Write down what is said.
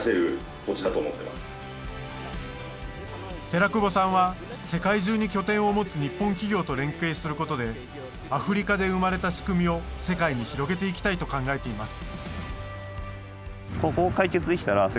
寺久保さんは世界中に拠点を持つ日本企業と連携することでアフリカで生まれた仕組みを世界に広げていきたいと考えています。